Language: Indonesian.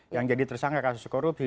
yang jadi tersangka kasus korupsi